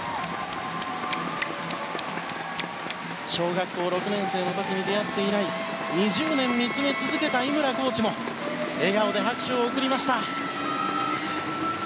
小学校６年生の時に出会って以来２０年見つめ続けた井村コーチも笑顔で拍手を送りました。